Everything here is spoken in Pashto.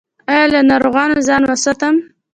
ایا له ناروغانو ځان وساتم؟